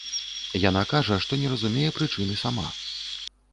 Яна кажа, што не разумее прычын і сама.